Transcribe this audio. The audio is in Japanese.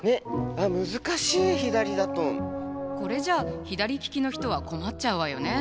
これじゃあ左利きの人は困っちゃうわよね。